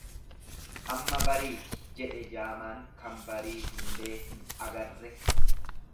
Amma bariiti jedhe jaamaan kan bariitullee hin agarre.